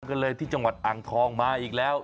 กันเลยที่จังหวัดอ่างทองมาอีกแล้ว